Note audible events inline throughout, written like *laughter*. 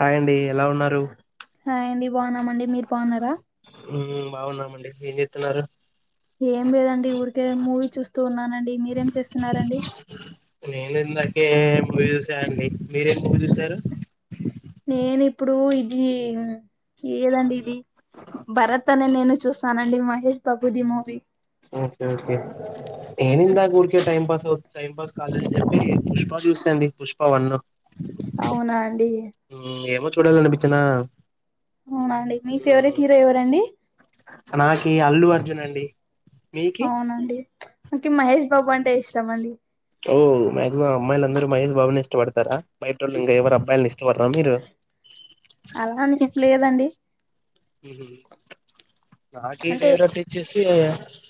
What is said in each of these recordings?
Hi అండి ఎలా ఉన్నారు హయ్ అండి బాగున్నామండి మీరు బాగున్నారా ఉం బాగున్నామండి ఏం చెతున్నారు ఏం లేదండి ఊరికే మూవీ చూస్తూ ఉన్నానండి మీరేం చేస్తున్నారండి నేను ఇందాకే మూవీ చూసానండి మీరేం మూవీ చూసారు నేను ఇప్పుడు ఇది లేదండి ఇది భరత్ అనే నేను చూస్తానండి మహేష్ బాబుది మూవీ ఓకే ఓకే ఏనుందా ఊరికే టైం పాస్ అవు టైం పాస్ కాలేదు అని చెప్పి పుష్ప చూస్తా అండి పుష్ప వన్ అవునా అండి ఏమో చూడాలి అనిపించేనా అవునా అండి మీ ఫేవరెట్ హీరో ఎవరండి నాకి అల్లు అర్జున అండి మీకి అవునండి మనకి మహేష్ బాబు అంటే ఇష్టం అండి ఓ మాక్సిమం అమ్మాయిల అందర మహేష్ బాబుని ఇష్టపడతారా బయట వొళ్ళు ఇంకా ఎవరు అబ్బాయిని ఇష్టపడరా మీరు అలా అని చెప్పులేదండి హు హామ్ నాకి అంటే ఫేవరెట్ వచ్చసి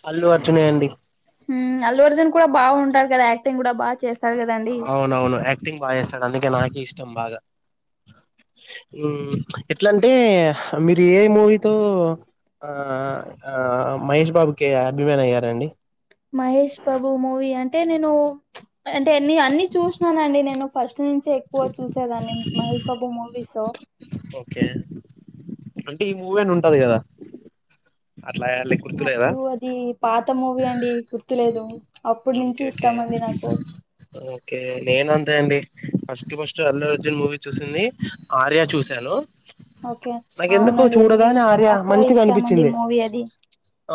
అల్లు అర్జునే అండి ఉం అల్లు అర్జున్ కూడా బాగుంటాడు కదా యాక్టింగ్ కూడా బా చేస్త అవునవును యాక్టింగ్ బాగా చేస్తాడు అందుకే నాక ఇష్టం బాగా ఉం ఎట్లాంటే మీరు ఏ మూవీతో ఆ ఆ మహేష్ బాబుకి అభిమాని అయ్యారండి మహేష్ బాబు మూవీ అంటే నేను చ్ అంటేన్ని అన్ని చూసిననండి నేను ఫస్ట్ నుంచి ఎక్కువ చూసేదాన్ని మహేష్ బాబు మూవీస్ ఓకే అంటే ఈ మూవీ అని ఉంటది కదా అట్లాలి అప్పుడు అది పాత మూవీ అండి గుర్తులేదు అప్పుడు నుంచి ఓకే ఓకే ఇస్తామండి నాకు ఓకే నేను అంతే అండి first first Allu Arjun movie చూసింది ఆర్య చూశాను ఓకే నాకెందుకు అవునండి అది చూడగానే ఆర్య నాకు కూడా మంచిది ఇష్టమండి అనిపించింది మూవీ అది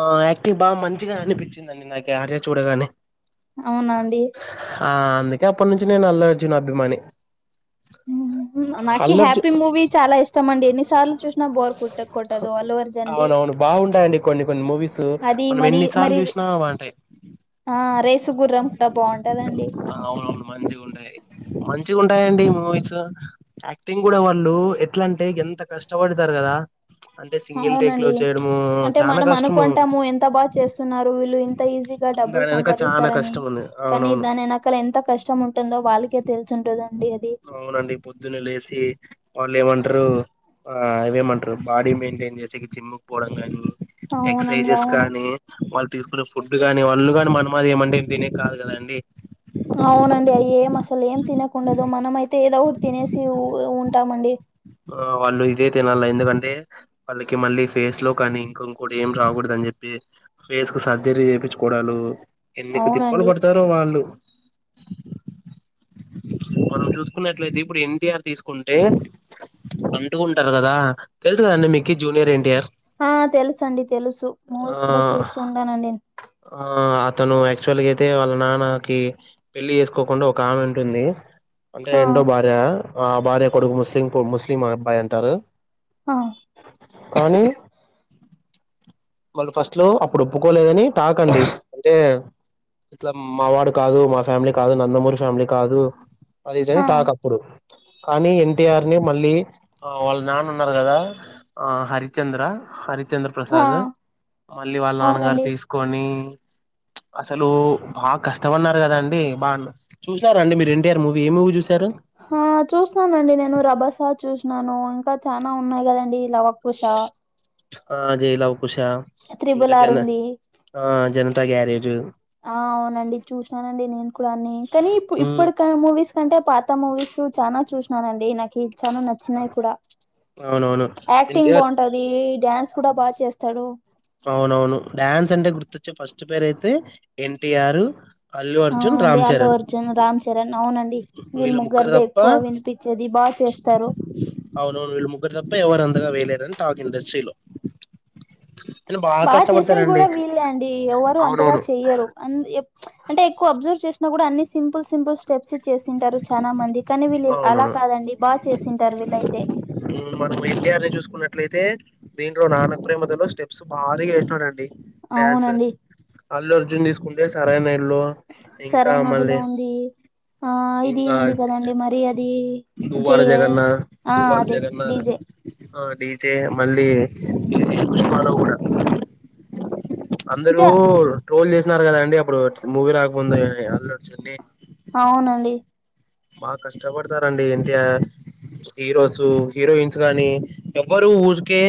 ఆ యాక్టింగ్ బాగా మంచిగా అనిపించిందిండి నాకి ఆర్య చూడగానే అవునా అండి ఆ అందుకే అప్పటి నుంచి నేను అల్లు అర్జున్ అభిమాని నాక అల్లు అర్జున్ హ్యాపీ మూవీ చాలా ఇష్టం అండి ఎన్ని సార్లు చూసినా బోర్ కుట్ట కొట్టదు అల్లు అర్జున్ ది అవున అవును బాగుంటాయిండి కొన్ని కొన్ని మూవీస్ అది మనం మరి ఎన్ని సార్లు మరి చూసినా బాగుంటాయి ఆ రేసుగుర్రం కూడా బాగుంటదండి ఆ, అవునవును మంచిగా ఉంటయి మంచిగా ఉంటయిడి మూవీస్ యాక్టింగ్ కూడా వాళ్ళు ఎట్లా అంటే ఎంత కష్టపడతారు కదా అంటే సింగిల్ టేక్లో అవునండి చేయడము అంటే చానా మనం కష్టము అనుకుంటాము ఎంత బాగా చేస్తున్నారు వీళ్ళు ఇంత ఈజీగా డబ్బులు దాని వెనక చాలా సంపాదిస్తారని కష్టం ఉంది కానీ అవునవును దాని వెనకాల ఎంత కష్టం ఉంటుందో వాళ్ళకే తెలిసు ఉంటుదండి అది అవునండి పొద్దున్న లేచి వాళ్ళు ఏమంటారు ఆ అవేమంటారు బాడీ మెయింటైన్ చేసే జిముకి పోవడం కానీ అవునండి ఎక్ససైజెస్ అవును కానీ వాళ్ళు తీసుకునే ఫుడ్ కాని వాళ్ళు మనమాది ఏమంటే దీన కాదు కదండి *unintelligible* అవునండి అయి ఏం అసలు ఏం తినకుండదు మనం అయితే ఏదో ఒకటి తినేసి ఉంటామండి ఆ వాళ్ళు ఇదే తినాల ఎందుకంటే అందుకే మళ్ళీ ఫేస్ లో కానీ ఇంక ఇంకోటి ఏం రాకూడదు అని చెప్పి ఫేస్ కు సర్జరీ చేపించుకోవడాలు ఎన్నిక తిప్పలు అవునండి పడు తరు వాళ్ళు మనం చూసుకున్నట్లయితే ఇప్పుడు ఎన్టీఆర్ తీసుకుంటే అంటుకుంటారు కదా తెలుసు కదండి మీకీ జూనియర్ ఎన్టీఆర్ ఆ తెలుసు అండి తెలుసు ఆ మూవీస్ కూడా చూస్తూ ఉంటానండి నే ఆ అతను యాక్చువల్ గా అయితే వాళ్ళ నాన్నకి పెళ్లి చేసుకోకుండా ఒక ఆమె ఉంటుంది అంటే ఆ రెండో భార్య ఆ భార్య కొడుకు ముస్లిం ముస్లిం అబ్బాయి అంటారు ఆ కానీ వాళ్ళు ఫస్ట్ లో అప్పుడు ఒప్పుకోలేదని టాక్ అండి అంటే ఇట్లా మా వాడు కాదు మా ఫ్యామిలీ కాదు నందమూరి ఫ్యామిలీ కాదు అది ఇదిని ఆ టాక్ అప్పుడు కానీ ఎన్టీఆర్ ని మళ్ళీ ఆ వాళ్ళ నాన్న ఉన్నారు కదా ఆ హరిచంద్ర హరిచంద్ర ఆ ప్రసాద్ మళ్ళీ వాళ్ళ నాన్నగారు అవునండి తీసుకొని అసలు బాగా కష్టమన్నారు కదండి బా చూసారాండి మీరు ఎన్టీఆర్ మూవీ ఏ మూవీ చూశారు ఆ చూసినానండి నేను రబసా చూసినాను ఇంకా చానా ఉన్నాయి కదండి లవకుశ ఆ జై లవకుశ ఇంకా త్రిబుల్ ఆర్ జన ఉంది ఆ జనతా గ్యారేజు ఆ అవునండి చూసినానండి నేను కూడా నీ కానీ ఇప్పుడు ఉమ్ ఇప్పటికా మూవీస్ అంటే పాత మూవీస్ చానా చూసినానండి నాకు ఈ చాల నచ్చినాయి కూడా అవునవును యాక్టింగ్ ఎన్టీఆర్ బాగుంటాది డ్యాన్స్ కూడా బాగా చేస్తాడు అవునవును డ్యాన్స్ అంటే గుర్తొచ్చే ఫస్ట్ పేరు అయితే ఎన్టీఆర్ అల్లు ఆ అర్జున్ అండి రామ్ అల్లు చరణ్ అర్జున్ రామ్ చరణ్ అవునండి వీళ్ళు వీళ్ళ ముగ్గురు ముగ్గురిది తప్ప ఎక్కువ వినిపించేది బా చేస్తారు అవునవును వీళ్ళు ముగ్గురు తప్పితే ఎవరు అంతగా వెయ్యలేరని టాక్ ఇండస్ట్రీలో నేను బాగా బా చేసేది కష్టపడతానండి కూడా వీళ్ళే అండి ఎవరు అంతగా అవునవును చెయ్యరు అ అంటే ఎక్కువ అబ్జర్వ్ చేసినా కూడా అన్ని సింపుల్ సింపుల్ స్టెప్స్ చేసింటారు చాలా మంది కానీ వీళ్ళు అలా అవునవును కాదండి బా చేసింటారు వీళ్ళయితే మనం ఎన్ టి ఆర్ ని చూసుకున్నట్లయితే దీంట్లో నాన్నకు ప్రేమతో లో స్టెప్స్ భారీగా వేసినాడండి డ్యాన్స్ అవునండి అల్లు అర్జున్ తీసుకుంటే సరైనోడు లో సరైనోడు లో ఉంది ఆ ఇది ఇంకా ఉంది కదండి మరి అది దువ్వాడ జేఏ జగన్నా ఆ దువ్వాడ అదే జగన్నాదాం డీజే ఆ డీజే మళ్ళీ ఇది పుష్పలో కూడా అందరూ అంటే ట్రోల్ చేసినారు కదండి అప్పుడు మూవీ రాకముందే అల్లు అర్జున్ ని అవునండి బాగా కష్టపడతారండి N T are heroes heroines గానీ ఎవరు ఊరికే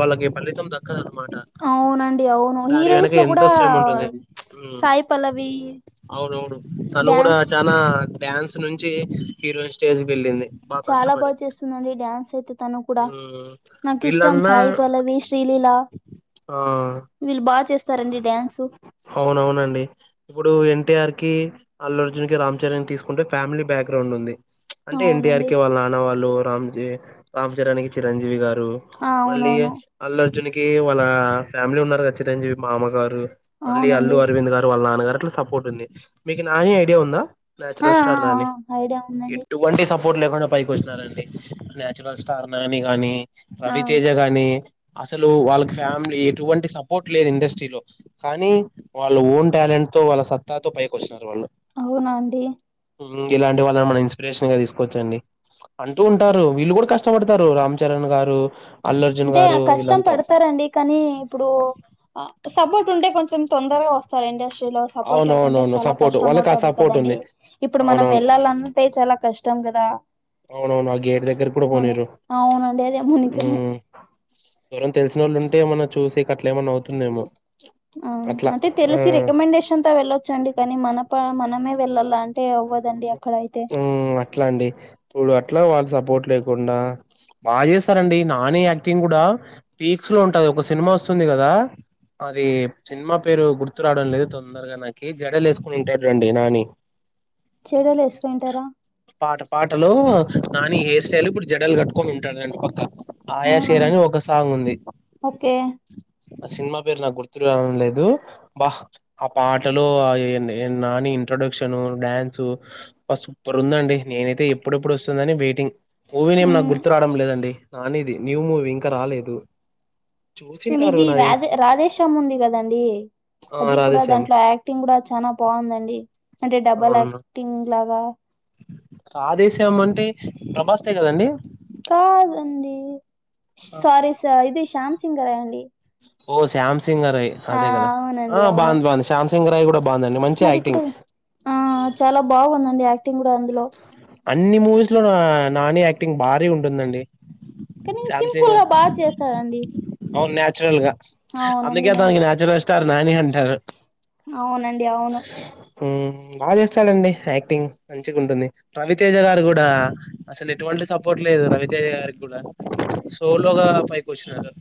వాళ్ళకు ఫలితం దక్కదనమాట అవునండి అవును హీరోయిన్స్ లో కూడా హ్మ్ సాయి పల్లవి అవునువును తను కూడా డ్యాన్స్ చనా డ్యాన్స్ నుంచి హీరోయిన్ స్టేజ్ వెళ్ళింది బాగా కష్టపడి చాలాబాగా చేస్తుందండి డ్యాన్స్ అయితే తను కూడా ఉమ్ నాకు ఇష్టం వీళ్ళన్నా సాయి పల్లవి శ్రీ లీల ఆ వీళ్ళు బాగా చేస్తారండి డ్యాన్సు అవునవునండి ఇప్పుడు ఎన్టీఆర్ కి అల్లుర్జున్ కి రామ్ చరణ్ కితీసుకుంటే ఫ్యామిలీ బ్యాక్గ్రౌండ్ ఉంది అంటే ఎన్టీఆర్ అవునండి కి వాళ్ళ నాన్నవాళ్ళు రామ్ రామ్ చరణ్ కి చిరంజీవి గారు ఆ మళ్ళీ అవునవును అల్లు అర్జున్ కి వాళ్ళ ఫ్యామిలీ ఉన్నారు కదా చిరంజీవి మామగారు మళ్ళీ అల్లు అవునండి అరవింద్ గారు వాళ్ళ నాన్నగారు అట్లా సపోర్ట్ ఉంది మీకు నాని ఐడియా ఉందా ఆ నచురల్ ఆ స్టార్ నాని ఆ ఐడియా ఉందండి ఎటు వంటి సపోర్ట్ లేకుండా పైకి వచ్చినారండి న్యాచురల్ స్టార్ నాని గానీ ఆ రవితేజ గాని అసలు వాళ్ళకి ఫ్యామిలీ ఎటువంటి సపోర్ట్ లేదు ఇండస్ట్రీలో కానీ వాళ్ళు ఓన్ టాలెంట్ తో వాళ్ళ సత్తాతో పైకి వచ్చినారు వాళ్ళు అవునాండి ఇలాంటి వాళ్ళని మనం ఇన్స్పిరేషన్ గా తీసుకోవచ్చండి అంటూ ఉంటారు వీళ్ళు కూడా కష్టపడతారు రామ్ చరణ్ గారు అల్లు అర్జున్ అంటే గారు కష్టం వీళ్ళంతా పడతారండి కానీ ఇప్పుడు సపోర్ట్ ఉంటే కొంచెం తొందరగా వస్తారు ఇండస్ట్రీలో సపోర్ట్ లేకుంటే అవునవునవును చాలా సపోర్ట్ కష్టం వాళ్ళకి ఆ అవుతుది సపోర్ట్ ఉంది కదండి ఇప్పుడు మనం అవునవును వెళ్ళాలన్న అంతే చాలా కష్టం కదా అవును అవును ఆ గేట్ దగ్గర కూడా అలా పోనీయరు అవునండి అదేమో నిజమే ఎవరన్నా తెలిసినళ్ళు ఉంటే మన చూసి అట్లా ఏమన్నా అవుతుంది ఆ అంటే తెలిసి ఆ రికమెండేషన్ తో వెళ్ళొచ్చ అండి కానీ మన ప మనమే వెళ్ళాల అంటే అవ్వదండి అక్కడ అయితే ఉ అట్లా అండి ఇప్పుడు అట్లా వాళ్ళ సపోర్ట్ లేకుండా బాగా చేస్తారండి నాని యాక్టింగ్ కూడా పీక్స్ లో ఉంటది ఒక సినిమా వస్తుంది కదా అది సినిమా పేరు గుర్తు రావడం లేదు తొందరగా నాకీ జడలు వేసుకుని ఉంటాడు నాని జడలు వేసికుపోయింటారా పాట పాటలో నాని హెయిర్ స్టైలు ఇప్పుడు జడలు కట్టుకొని ఉంటడు రెండు పక్క అవునా ఆయాశేర్ అని ఒక సాంగ్ ఉంది ఓకే ఆ సినిమా పేరు నాకు గుర్తు రావడం లేదు అబ్బా ఆ పాటలో నాని ఏంది ఇంట్రడక్షన్ డ్యాన్సు సూపర్ ఉందండి నేనైతే ఎప్పుడెప్పుడు వస్తుందని వెయిటింగ్ మూవీనేం నాకు గుర్తు రావడం లేదండి నానిది న్యూ మూవీ ఇంకా రాలేదు చూసింటారు ఇది నా రాదే శ్యామ్ ఉంది కదండి ఆ అది కూడా రాధేశ్యామ్ దాంట్లో యాడ్ యాక్టింగ్ కూడా చాల బాగుందండి అంటే డబల్ యాక్టింగ్ లాగా ఆ రాధే శ్యామ్ అంటే ప్రభాస్ స్తే కదండి కాదండి ఆ సారీ స ఇది శ్యామ్సింగర అండి ఓ శ్యామ్సంగ్ ఆ అదే కదా ఆ అవునండి అవును బాగుంది బాగుంది శ్యాంసింగ్ రాయ్ కూడా బాగుందండి మంచి అది కూడా యాక్టింగ్ ఆ చాలా బాగుందండి యాక్టింగ్ కూడా అందులో అన్ని మూవీస్ లోను నాని యాక్టింగ్ భారీ ఉంటుందండి కానీ శ్యామ్ సింపుల్ సింగ్ గా బాగా చేస్తాడండి అవును న్యాచురల్ గా అందుకే అవునండి నా అతనికి న్యాచురల్ స్టార్ నాని అంటారు అవునండి అవును మ్ బాగ చేస్తాడండి యాక్టింగ్ మంచిగ ఉంటుంది రవితేజగారు కూడ అసలు ఎటువంటి సపోర్ట్ లేదు రవితేజ గారికి కూడ సోలోగా పైకి వచ్చినారు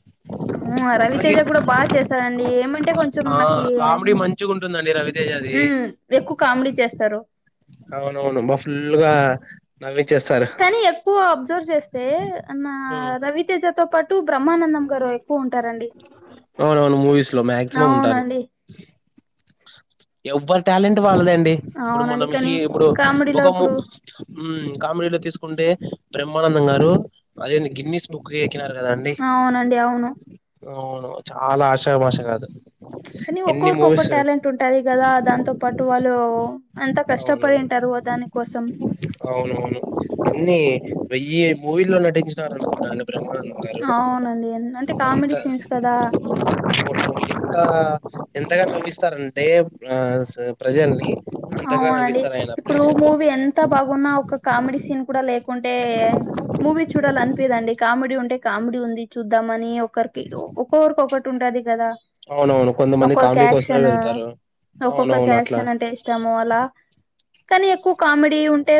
అవు అలాగే రవితేజ కూడ బాగా చేస్తాడండీ ఏమంటే కొంచెం ఆ నాకి కామెడీ మంచిగ ఉంటుందండి రవితేజది. మ్మ్ ఎక్కువ కామెడీ చేస్తారు. అవునవును బా ఫుల్ గా నవ్విచ్చేస్తా కానీ ఎక్కువ అబ్జర్వ్ చేస్తే నా ఉమ్, రవితేజతో పాట్ టు బ్రహ్మానందం గారు ఎక్కువ ఉంటారండి. అవునండి ఎవ్వరు టాలెంట్ వాళ్లదండి ఇప్పుడు అవునండి కానీ మనంహి ఇప్పుడు కామెడీలో ఒక ము ఇప్పుడు మ్ కామెడీలో తీసుకుంటే బ్రహ్మానందం గారు అదేంది గిన్నిస్ బక్ కి ఎక్కినారు కదండి అవునండి అవును అవును చాల ఆషా మాష కాదు కానీ ఎన్ని ఒక్కొరికి ఒక్కొ మూవీస్ ట్యాలెంట్ ఉంటుంటాది కదా దాంతో పాటు వాళ్ళు, అంత అవును కష్టపడింటారు దాని కోసం అవునవును ఎన్ని వెయ్యి మూవీల్లో నటించినారంట ఆయన బ్రహ్మానందం గారు అవునండి ఎన్ అంటే అంత కామెడీ సీన్స్ కదా ఎంత ఎంతగా నవ్విస్తారంటే ఆ ప్రజల్ని అంతగా అవునండి నవ్విస్తారు ఆయన ఇప్పుడు ప్రేక్షకులు మూవీ ఎన్ ఎంత బాగున్న ఒక కామెడీ సీన్ కూడా లేకుంటే, మూవీ చూడాలనిపియదండి కామెడీ ఉంటే కామెడీ ఉంది చూద్దామని ఒకరికి ఒక్కొరికి ఒకటి ఉంటది కదా అవునవును కొంతమంది ఒక్కొరికి కామెడీ కోసమే యాక్క్షన్, వెళ్తారు ఒక్కొక్కరికి అవునవును అట్లా యాక్షన్ అంటే ఇష్టం అలా కానీ ఎక్కువ కామెడీ ఉంటే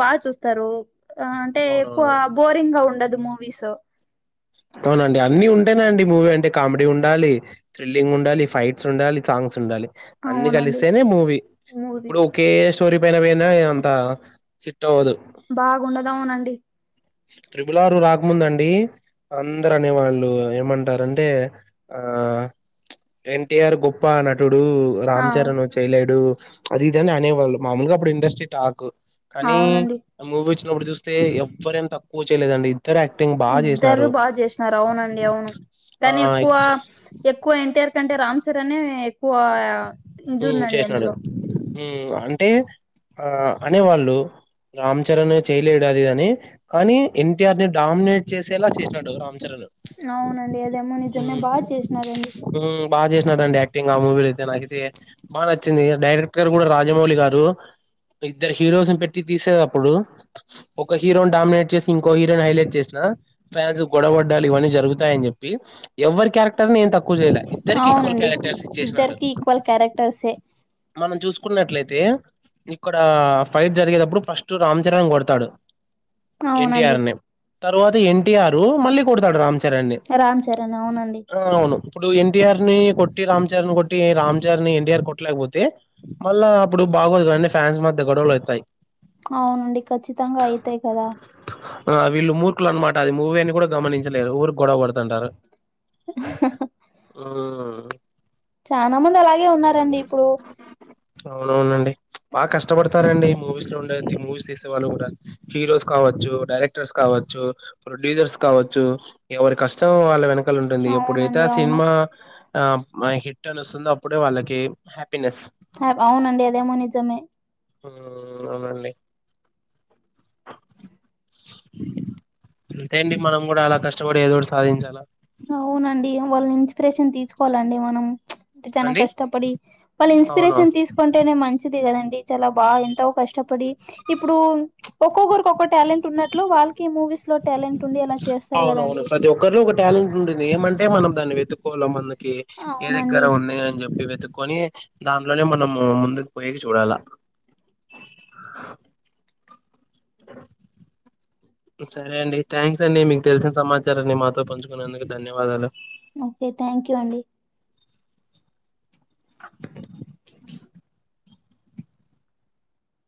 బాగ చూస్తారు. అంటే ఎక్కువ అవునవును బోరింగ్ గా ఉండదు మూవీస్ అవునండి అన్ని ఉంటేనే అండి మూవీ అంటే, కామెడీ ఉండాలి, థ్రిల్లింగ్ ఉండాలి, ఫైట్స్ ఉండాలి, సాంగ్స్ ఉండాలి అన్ని అవునండి కలిస్తేనే మూవీ. మూవీ ఇప్పుడు ఒకే స్టోరి పైన పోయిన ఏం అంత హిట్ అవ్వదు బాగుండద అవునండి త్రిబులార్ రాకముందండి, అందరు అనే వాళ్ళు ఏమంటారంటే, ఆ ఎన్టిఆర్ గొప్ప నటుడు ఆ రామ్ చరణ్ చేయలేడు అది ఇదని అనేవాళ్ళు మామూలుగా అబ్బుడు ఇండస్ట్రీ టాక్ కానీ అవునండి మూవీ వచ్చినప్పుడు చూస్తే ఎవ్వరు ఏం తక్కువ చేయలేదండి ఇద్దరు యాక్టింగ్ బాగా ఇద్దరు చేసినారు బాగ చేసినారు అవునండి అవును ఆ కానీ ఎక్కువ ఎక్చ- ఎక్కువ ఎన్టీఆర్ కంటే రామ్ చరణే ఎక్ మ్ చేసినాడు మ్ అంటే ఆ అనేవాళ్ళు రామ్ చరణ్ ఎ చేయలేడు అది ఇదని కానీ ఎన్టీఆర్ ని డామినేట్ చేసేలా చేసినాడు రామ్ చరణ్ అవునండి అదేమో నిజమే హ్మ్. బాగా చేసినారండి. హ్మ్. బా చేసినాడండి యాక్టింగ్ ఆ మూవీల అయితే, నాకైతే బాగా నచ్చింది. డైరెక్టర్ గారు కూడా రాజమౌళి గారు ఇద్దరు హీరోస్ ని పెట్టి తీసేదప్పుడు ఒక హీరోని డామినేట్ చేసి ఇంకో హీరో ని హైలైట్ చేసిన ఫ్యాన్స్ గొడవ పడ్డాలు ఇవన్నీ జరుగుతాయని చెప్పి, ఎవ్వరి క్యారెక్టర్ నీ ఏం తక్కువ చేయల ఇ ఇద్దరికీ ఈక్వల్ క్యారెక్టర్స్ ఇచ్చేసినాడు. ఇద్దరికీ ఈక్వల్ క్యారెక్టర్సే మనం చూసుకున్నట్లయితే ఇక్కడ ఫైట్ జరిగేటప్పుడు ఫస్ట్ రామ్ చరణ్ కొడతాడు అవునండి ఎన్టీఆర్ ని తర్వాత ఎన్టీఆరు మళ్ళీ కొడతాడు రామ్ చరణ్ ని రామ్ చరణ్ అవునండి అవును ఇప్పుడు ఎన్టీఆర్ ని కొట్టి రామ్చరణ్ కొట్టి రామ్చరణ్ ని ఎన్టీఆర్ కొట్టలేకపో తే మళ్ళా అప్పుడు బాగోదు కాని ఫ్యాన్స్ మధ్య గొడవలు అయితాయ్ అవునండి ఖచ్చితంగా అయితాయి కదా ఆ వీళ్ళు మూర్ఖులు అన్నమాట అది మూవీ అని కూడా గమనించలేరు ఊరి గొడవ పడ తంటారు చనా మంది అలాగే ఉన్నారండి ఇప్పుడు అవునవునండి బాగా కష్టపడతారండి మూవీస్ లో ఉండే మూవీస్ తీసేవాళ్ళు కూడా హీరోస్ కావచ్చు డైరెక్టర్స్ కావచ్చు ప్రొడ్యూసర్స్ కావచ్చు ఎవరి కష్టం వాళ్ళ వెనక క్క ఉంటుంది ఎప్పుడైతే అవునండి ఆ అవును సినిమా ఆ హిట్ అని వస్తుందో అప్పుడే వాళ్ళకి హ్యాపీనెస్ అవునండి అదేమో నిజమే ఉమ్ అవునండి అంతేఅండీ మనం కూడా అలా కష్టపడి ఏదోటి సాధించాలా అవునండి వాళ్ళని ఇన్స్పిరేషన్ తీసుకోవాలండి మనం చనా అండి కష్టపడి వాళ్ళు అవును ఇన్స్పిరేషన్ తీసుకొని అంటేనే మంచిది కదండి చాలా బాగా ఎంతో కష్టపడి ఇప్పుడు ఒక్కొక్కరికి ఒక్క టాలెంట్ ఉన్నట్లు వాళ్ళకి మూవీస్ లో టాలెట్ ఉందిలా అవునవును ప్రతి ఒక్కరిలో ఒక టాలెంట్ ఉండింది ఏమంటే మనం దాన్ని వెతుక్కోనం మనకి ఏ దగ్గర అవునండి ఉంది అని చెప్పి వెతుకొని దాంట్లోనే మనం ముందుకు పోయి చూడాలా సరే అండి థ్యాంక్స్ అండి మీకు తెలిసిన సమాచారాన్ని మాతో పంచుకునేందుకు ధన్యవాదాలు ఓకే థ్యాంక్ యూ అండి